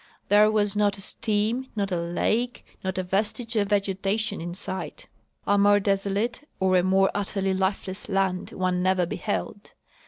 There was not a stream, not a lake, not a vestige of vegetation in sight. A more desolate or a more utterly lifeless land one never beheld.